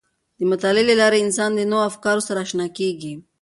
د مطالعې له لارې انسان د نوو افکارو سره آشنا کیږي.